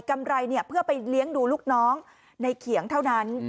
ำไรเพื่อไปเลี้ยงดูลูกน้องในเขียงเท่านั้น